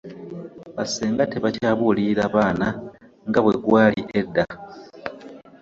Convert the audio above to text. bassenga tebakyabulirira baana nga bwe gwali edda